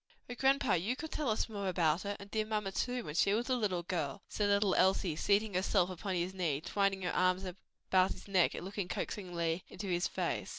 "O grandpa, you could tell us more about her, and dear mamma too, when she was a little girl!" said little Elsie, seating herself upon his knee, twining her arms about his neck, and looking coaxingly into his face.